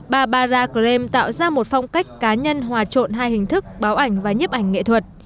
bà barbara graham tạo ra một phong cách cá nhân hòa trộn hai hình thức báo ảnh và nhếp ảnh nghệ thuật